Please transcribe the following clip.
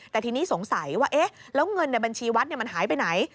แต่ทีนี้สงสัยว่าเอ๊ะแล้วเงินในบัญชีวัดมันหายไปไหน